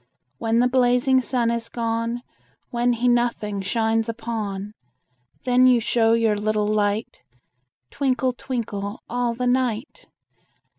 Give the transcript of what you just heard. When the blazing sun is gone, When he nothing shines upon, Then you show your little light, Twinkle, twinkle, all the night.